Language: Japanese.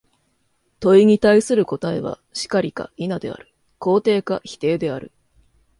問に対する答は、「然り」か「否」である、肯定か否定である。